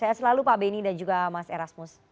saya selalu pak beni dan juga mas erasmus